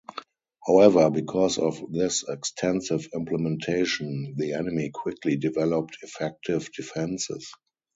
However, because of this extensive implementation, the enemy quickly developed effective defenses.